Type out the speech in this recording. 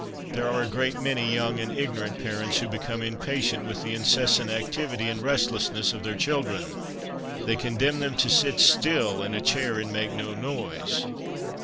There are a great many young and ignorant parents who become impatient with the incessant activity and restlessness of their children. They condemn them to sit still in a chair and make no noise.